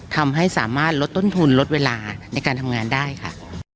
ทำให้สามารถลดต้นทุนลดเวลาในการทำงานได้ค่ะ